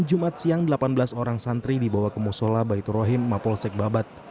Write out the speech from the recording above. jumat siang delapan belas orang santri dibawa ke musola baitur rahim mapolsek babat